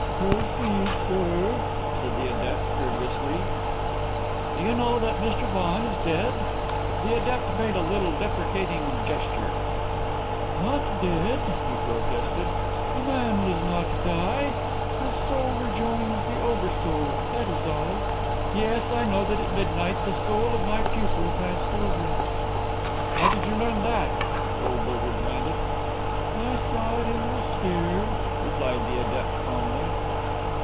"Proceed, sir," said the adept, courteously. "Do you know that Mr. Vaughan is dead?" The adept made a little deprecating gesture. "Not dead," he protested. "A man does not die. His soul rejoins the Over soul, that is all. Yes, I know that at midnight the soul of my pupil passed over." "How did you learn that?" Goldberger demanded. "I saw it in the sphere," replied the adept calmly.